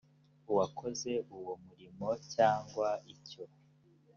uwakoze uwo murimo cyangwa icyo